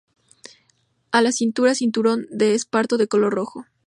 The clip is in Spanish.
A la cintura cinturón de esparto de color rojo.